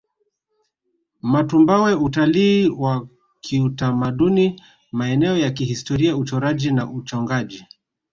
Matumbawe Utalii wa kiutamaduni maeneo ya kihistoria uchoraji na uchongaji